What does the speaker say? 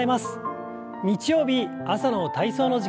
日曜日朝の体操の時間です。